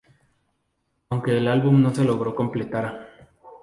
Aunque el álbum no se logró completar.